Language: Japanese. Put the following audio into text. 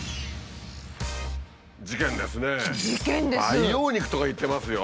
培養肉とか言ってますよ。